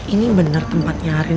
ini bener tempatnya arin